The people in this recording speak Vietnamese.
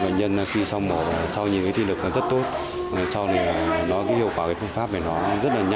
nhân khi sau mổ sau những thi lực rất tốt sau đó hiệu quả phương pháp rất nhanh